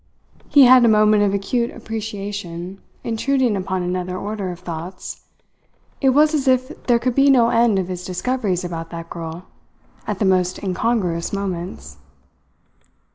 He had a moment of acute appreciation intruding upon another order of thoughts. It was as if there could be no end of his discoveries about that girl, at the most incongruous moments.